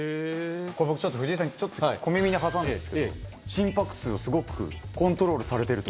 これ、僕、ちょっと、藤井さん、ちょっと、小耳に挟んだんですけど、心拍数をすごくコントロールされてると。